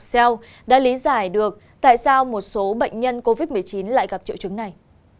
xeo đã lý giải được tại sao một số bệnh nhân covid một mươi chín lại gặp triệu chứng này